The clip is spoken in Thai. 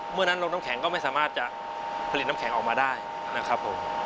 เมื่อนั้นลงน้ำแข็งก็ไม่สามารถจะผลิตน้ำแข็งออกมาได้นะครับผม